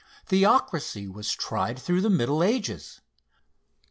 Theocracy was tried through the Middle Ages.